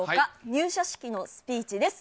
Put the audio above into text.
入社式のスピーチです。